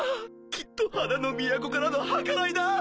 きっと花の都からの計らいだ！